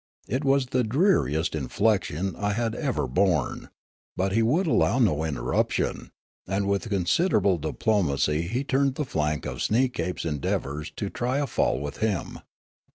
It was the dreariest infliction I had ever borne ; but he would allow no interruption, and with consid erable diplomacy he turned the flank of Sneekape's endeavours to try a fall w'ith him.